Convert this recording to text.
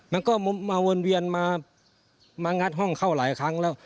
มันก็มาวนเวียนมางัดห้องเข้าหลายครั้งแล้ว